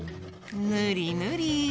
ぬりぬり。